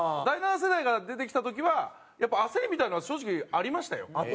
第七世代が出てきた時はやっぱ焦りみたいなのは正直ありましたよ。